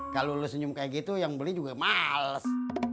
kalau lo senyum kayak gitu yang beli juga males